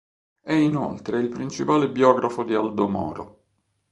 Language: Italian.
È inoltre il principale biografo di Aldo Moro.